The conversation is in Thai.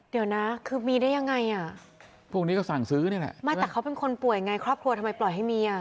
เดี๋ยวนะคือมีได้ยังไงอ่ะพวกนี้ก็สั่งซื้อนี่แหละไม่แต่เขาเป็นคนป่วยไงครอบครัวทำไมปล่อยให้เมีย